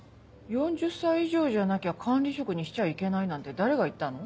４０歳以上じゃなきゃ管理職にしちゃいけないなんて誰が言ったの？